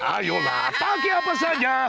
ayolah pakai apa saja